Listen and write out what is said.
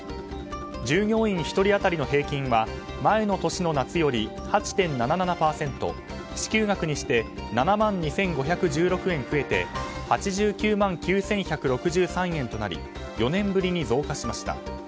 従業員１人当たりの平均は前の年の夏より８．７７％支給額にして７万２５１６円増えて８９万９１６３円となり４年ぶりに増加しました。